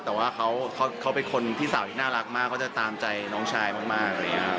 แต่ว่าเขาเป็นคนที่สาวที่น่ารักมากเขาจะตามใจน้องชายมากนะครับ